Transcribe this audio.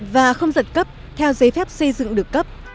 và không giật cấp theo giấy phép xây dựng được cấp